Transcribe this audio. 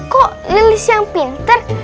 kok lilis yang pinter